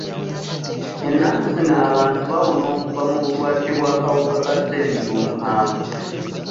Ennaku zino abantu bawona okuva mu bulwadde bw'akawuka ka ssenyiga omukambwe.